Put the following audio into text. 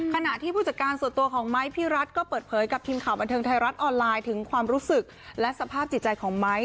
ขณะที่ผู้จัดการส่วนตัวของไม้พี่รัฐก็เปิดเผยกับทีมข่าวบันเทิงไทยรัฐออนไลน์ถึงความรู้สึกและสภาพจิตใจของไม้